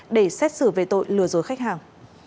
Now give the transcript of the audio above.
để xét xử về tội lừa dối khách hàng